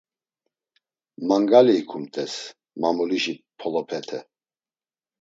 Mangali ikumt̆es, mumulişi polopete.